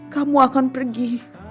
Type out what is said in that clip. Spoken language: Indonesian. kamu akan pergi